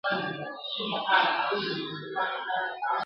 عاقبت به خپل تاریخ ته مختورن یو `